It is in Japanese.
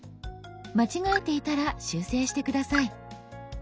間違えていたら修正して下さい。